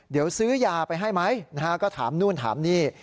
เดี๋ยวซื้อยาไปให้ไหมนะฮะก็ถามนู่นถามนี่